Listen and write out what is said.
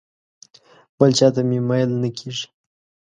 بل چاته مې میل نه کېږي.